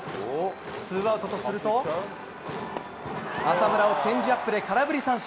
ツーアウトとすると、浅村をチェンジアップで空振り三振。